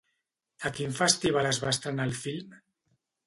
A quin festival es va estrenar el film?